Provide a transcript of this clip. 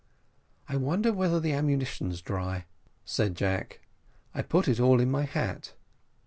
"I wonder whether the ammunition's dry," said Jack; "I put it all in my hat."